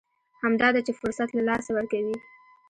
همدا ده چې فرصت له لاسه ورکوي.